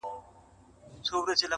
چي كوټې ته سو دننه د ټگانو-